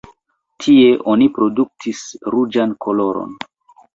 Tie oni produktis ruĝan koloron.